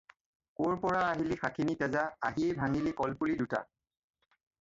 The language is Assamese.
ক'ৰ পৰা আহিলি শাখিনী তেজা, আহিয়েই ভাঙিলি কলপুলি দুটা।